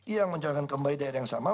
yang mencolongkan kembali daerah yang sama